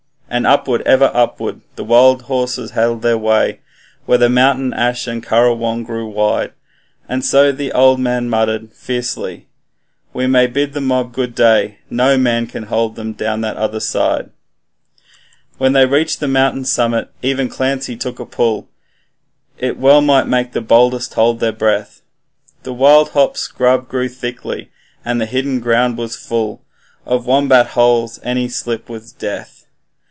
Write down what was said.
And upward, ever upward, the wild horses held their way, Where mountain ash and kurrajong grew wide; And the old man muttered fiercely, 'We may bid the mob good day, NO man can hold them down the other side.' When they reached the mountain's summit, even Clancy took a pull, It well might make the boldest hold their breath, The wild hop scrub grew thickly, and the hidden ground was full Of wombat holes, and any slip was death.